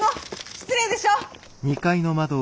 失礼でしょ！